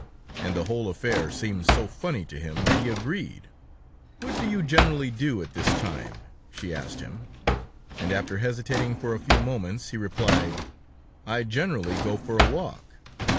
And the whole affair seemed so funny to him that he agreed. "What do you generally do at this time?" she asked him; and after hesitating for a few moments, he replied: "I generally go for a walk."